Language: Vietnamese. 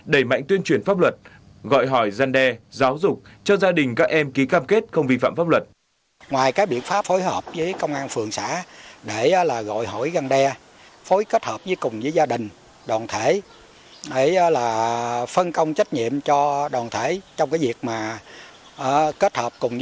đẩy mạnh tuyên truyền pháp luật gọi hỏi gian đe giáo dục cho gia đình các em ký cam kết không vi phạm pháp luật